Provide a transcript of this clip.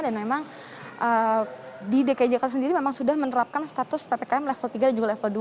dan memang di dki jakarta sendiri memang sudah menerapkan status ppkm level tiga dan juga level dua